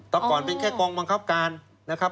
แต่ก่อนเป็นแค่กองบังคับการนะครับ